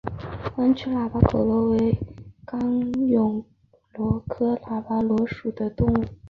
弯曲喇叭口螺为虹蛹螺科喇叭螺属的动物。